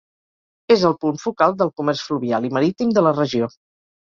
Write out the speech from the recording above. És el punt focal del comerç fluvial i marítim de la regió.